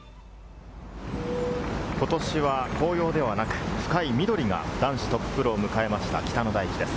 ことしは紅葉ではなく、深い緑が男子トッププロを迎えました、北の大地です。